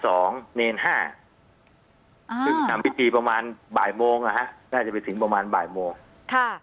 สองเนธห้าอ่าประมาณบ่ายโมงอ่ะฮะน่าจะไปถึงประมาณบ่ายโมงค่ะ